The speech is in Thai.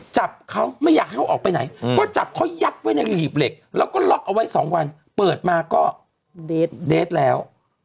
จับเขาไม่อยากให้เขาออกไปไหนก็จับเขายัดไว้ในหีบเหล็กแล้วก็ล็อกเอาไว้สองวันเปิดมาก็เดสแล้ว